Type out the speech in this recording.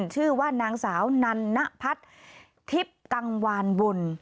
ชื่อว่านางสาวนันนพัฒน์ทิพย์กังวานบุญ